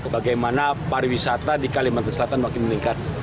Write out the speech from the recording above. bagaimana pariwisata di kalimantan selatan makin meningkat